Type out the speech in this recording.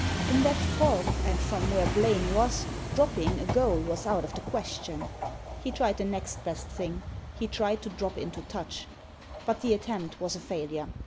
In that fog, and from where Blaine was, dropping a goal was out of the question. He tried the next best thing — he tried to drop into touch. But the attempt was a failure.